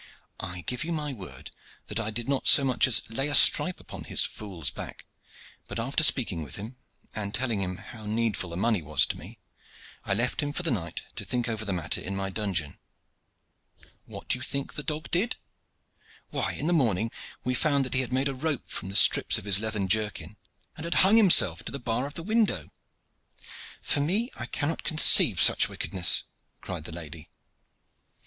I give you my word that I did not so much as lay a stripe upon his fool's back, but after speaking with him, and telling him how needful the money was to me, I left him for the night to think over the matter in my dungeon. What think you that the dog did? Why, in the morning we found that he had made a rope from strips of his leathern jerkin, and had hung himself to the bar of the window." "For me, I cannot conceive such wickedness!" cried the lady.